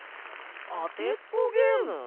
あてっこゲーム？